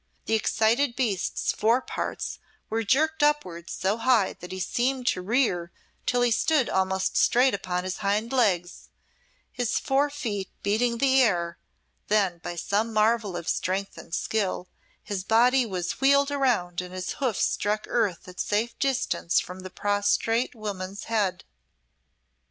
The excited beast's fore parts were jerked upward so high that he seemed to rear till he stood almost straight upon his hind legs, his fore feet beating the air; then, by some marvel of strength and skill, his body was wheeled round and his hoofs struck earth at safe distance from the prostrate woman's head.